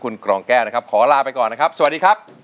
สู้สู้สู้สู้สู้สู้สู้สู้สู้สู้